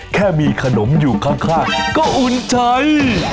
แค่มีขนมอยู่ข้างก็อุ่นใจ